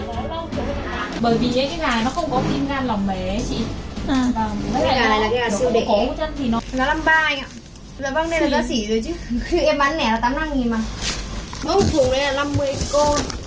cái gà nó không có kim gan lỏng bề chị